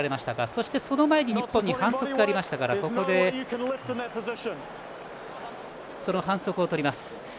そして、その前に日本に反則がありましたからここでその反則をとります。